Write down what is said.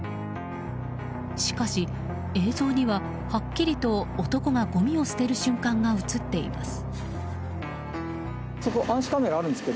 しかし映像には、はっきりと男が、ごみを捨てる瞬間が映っています。